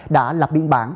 đã lập biên bản